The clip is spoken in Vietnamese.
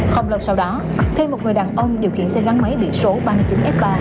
không lâu sau đó thêm một người đàn ông điều khiển xe gắn máy bị số ba mươi chín f ba năm trăm chín mươi sáu